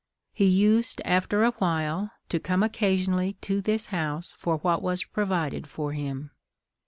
He used, after a while, to come occasionally to this house for what was provided for him.